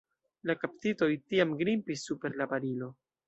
La kaptitoj tiam grimpis super la barilo.